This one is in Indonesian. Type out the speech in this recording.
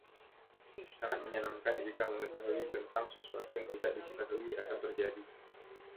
Sangat menyenangkan jika mengetahui tentang sesuatu yang tidak diketahui akan terjadi.